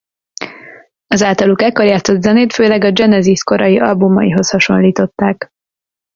Az általuk ekkor játszott zenét főleg a Genesis korai albumaihoz hasonlították.